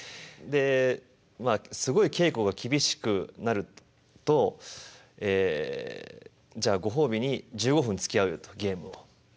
でまあすごい稽古が厳しくなるとえじゃあご褒美に１５分つきあうよとゲームを。